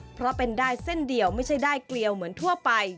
เพราะเป็นได้เส้นเดียวไม่ใช่ได้เกลียวเหมือนทั่วไป